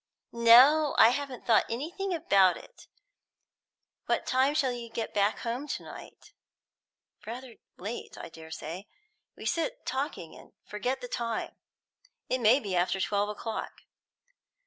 "No; I haven't thought anything about it. What time shall you get back home to night?" "Rather late, I dare say. We sit talking and forget the time. It may be after twelve o'clock."